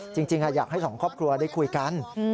จริงอยากให้สองครอบครัวได้คุยกัน